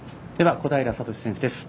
小平智選手です。